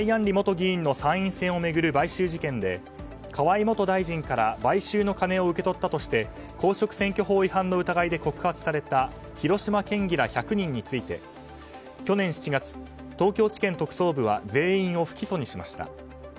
里元議員の参院選を巡る買収事件で河井元大臣から買収の金を受け取ったとして公職選挙法違反の疑いで告発された広島県議ら１００人について去年７月、東京地検特捜部は全員を不起訴にしました。